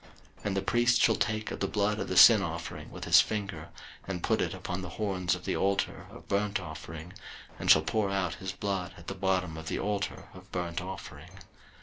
03:004:025 And the priest shall take of the blood of the sin offering with his finger, and put it upon the horns of the altar of burnt offering, and shall pour out his blood at the bottom of the altar of burnt offering.